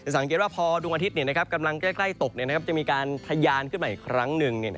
สังเกตว่าพอดวงอาทิตย์กำลังใกล้ตกจะมีการทะยานขึ้นมาอีกครั้งหนึ่ง